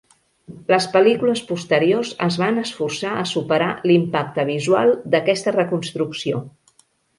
Les pel·lícules posteriors es van esforçar a superar l'impacte visual d'aquesta reconstrucció.